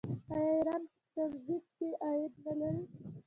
آیا ایران په ټرانزیټ کې عاید نلري؟